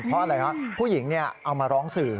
เพราะอะไรฮะผู้หญิงเอามาร้องสื่อ